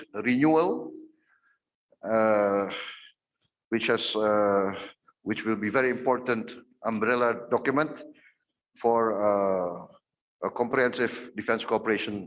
yang akan menjadi dokumen yang sangat penting untuk pembaruan pertahanan komprehensif di masa depan